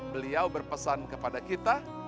beliau berpesan kepada kita